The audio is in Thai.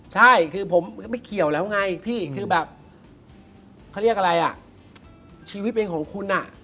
ใช่คือผมไม่เขียวแล้วไงพี่คือแบบเขาเรียกอะไรชีวิตเองของคุณ